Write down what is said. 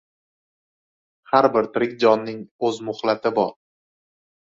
• Har bir tirik jonning o‘z muhlati bor.